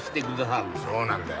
そうなんだよ。